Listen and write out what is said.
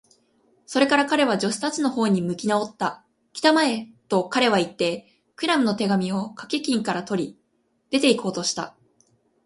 それから彼は、助手たちのほうに向きなおった。「きたまえ！」と、彼はいって、クラムの手紙をかけ金から取り、出ていこうとした。